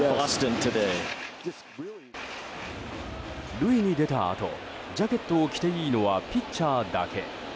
塁に出たあと、ジャケットを着ていいのはピッチャーだけ。